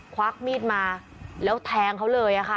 ควักมีดมาแล้วแทงเขาเลยค่ะ